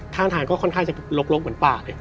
ทางก็ค่อนข้างจะลกเหมือนป่าเลย